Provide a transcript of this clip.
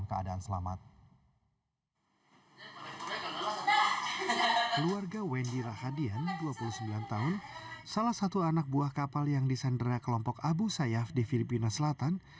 keluarga wendy rahadian dua puluh sembilan tahun salah satu anak buah kapal yang disandera kelompok abu sayyaf di filipina selatan